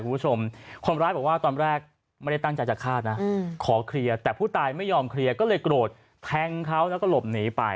คุณผู้ชมคนร้ายบอกว่าตอนแรกไม่ได้ตั้งใจจะฆ่านะขอเคลียร์แต่ผู้ตายไม่ยอมเคลียร์ก็เลยโกรธแทงเขาแล้วก็หลบหนีไป